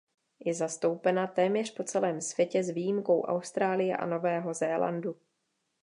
Je zastoupena téměř po celém světě s výjimkou Austrálie a Nového Zélandu.